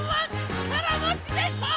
ちからもちでしょ！